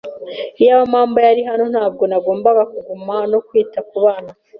Iyaba mabwa yari hano, ntabwo nagomba kuguma no kwita kubana.